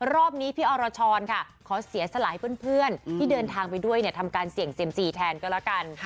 รอบนี้พี่อรชรค่ะขอเสียสลายเพื่อนที่เดินทางไปด้วยทำการเสี่ยงเซียมซีแทนก็แล้วกัน